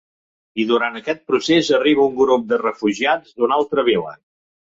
I durant aquest procés arriba un grup de refugiats d’una altra vila.